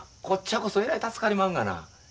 こっちゃこそえらい助かりまんがな。